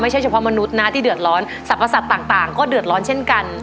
เฉพาะมนุษย์นะที่เดือดร้อนสรรพสัตว์ต่างก็เดือดร้อนเช่นกัน